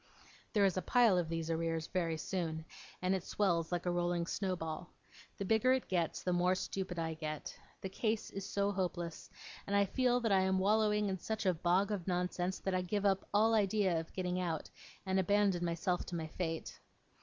There is a pile of these arrears very soon, and it swells like a rolling snowball. The bigger it gets, the more stupid I get. The case is so hopeless, and I feel that I am wallowing in such a bog of nonsense, that I give up all idea of getting out, and abandon myself to my fate.